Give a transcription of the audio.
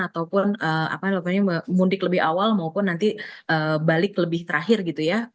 ataupun mudik lebih awal maupun nanti balik lebih terakhir gitu ya